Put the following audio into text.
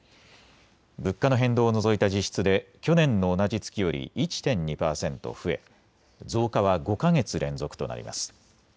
物価の変動を除いた実質で去年の同じ月より１．２％増え増加は５か月連続となります。